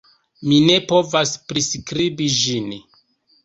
Mi ne povas priskribi ĝin.